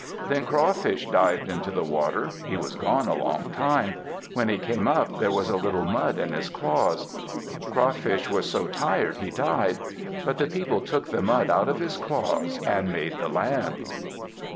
Then Crawfish dived into the water. He was gone a long time. When he came up there was a little mud in his claws. Crawfish was so tired he died. But the people took the mud out of his claws and made the land.